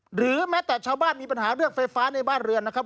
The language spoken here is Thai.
หรือแม้แต่ชาวบ้านมีปัญหาเรื่องไฟฟ้าในบ้านเรือนนะครับ